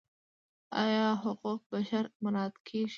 آیا حقوق بشر مراعات کیږي؟